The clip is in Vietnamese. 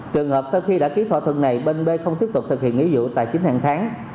trường hợp sau khi đã ký thỏa thuận này bên b không tiếp tục thực hiện nghĩa vụ tài chính hàng tháng